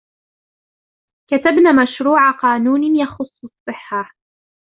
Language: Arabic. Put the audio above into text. كتبن مشروع قانون يخص الصحة.